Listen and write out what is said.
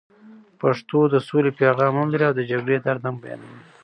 پښتو د سولې پیغام هم لري او د جګړې درد هم بیانوي.